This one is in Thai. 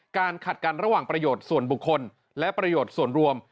ขัดกันระหว่างประโยชน์ส่วนบุคคลและประโยชน์ส่วนรวม